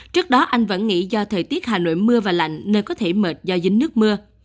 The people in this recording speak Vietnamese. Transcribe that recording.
trước đó anh vẫn nghĩ do thời tiết hà nội mưa và lạnh nơi có thể mệt do dính nước mưa